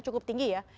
cukup tinggi ya